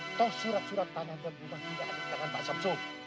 atau surat surat tanah dan rumah tidak ada di tangan pak samsul